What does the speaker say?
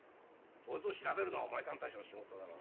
そいつを調べるのはお前さんたちの仕事だろ。